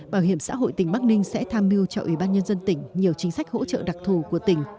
bảo hiểm xã hội tỉnh bắc ninh sẽ tham mưu cho ủy ban nhân dân tỉnh nhiều chính sách hỗ trợ đặc thù của tỉnh